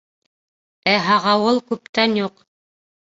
Ә һағауыл... күптән юҡ.